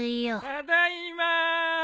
・ただいま。